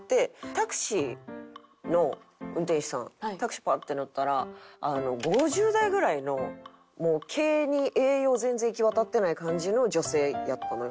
タクシーの運転手さんタクシーパッて乗ったら５０代ぐらいのもう毛に栄養全然行き渡ってない感じの女性やったのよ。